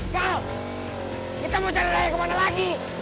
kal kita mau cari raya kemana lagi